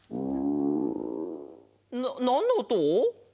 ななんのおと？